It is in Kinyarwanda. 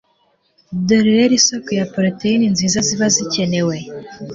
Dore rero isoko ya protein nziza ziba zikenewe